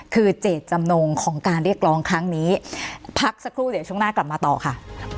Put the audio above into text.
คือเจตจำนงของการเรียกร้องครั้งนี้พักสักครู่เดี๋ยวช่วงหน้ากลับมาต่อค่ะ